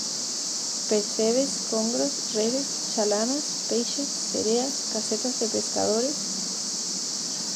Percebes, congros, redes, chalanas, peixes, sereas, casetas de pescadores...